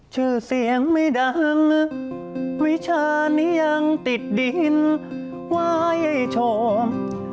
ชื่อเสียงไม่ดังวิชานี้ยังติดดินไว้ชม